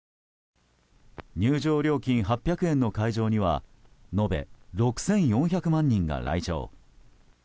入場料金８００円の会場には延べ６４００万人が来場。